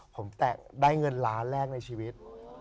ผมแตะได้เงินล้านแรกในชีวิต